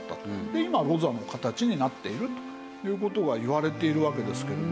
で今は露座の形になっているという事がいわれているわけですけども。